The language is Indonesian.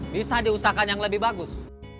bisa diusahakan yang lebih bagus